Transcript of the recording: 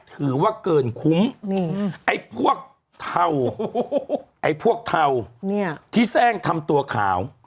ถือว่าเกินคุ้มไอ้พวกเถาที่แซ่งทำตัวขาว